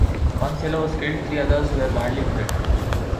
One sailor was killed, three others were badly wounded.